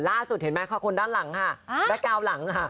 ล่าสุดเห็นไหมคนด้านหลังค่ะแบตกราวหลังค่ะ